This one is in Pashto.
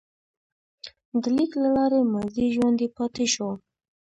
د لیک له لارې ماضي ژوندی پاتې شو.